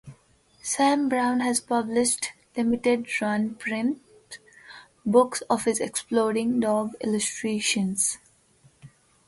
Sam Brown has published limited-run print books of his exploding dog illustrations.